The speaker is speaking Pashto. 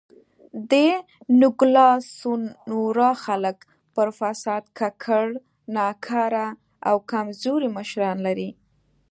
د نوګالس سونورا خلک پر فساد ککړ، ناکاره او کمزوري مشران لري.